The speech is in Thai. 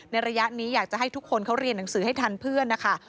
ระยะนี้อยากจะให้ทุกคนเขาเรียนหนังสือให้ทันเพื่อนนะคะ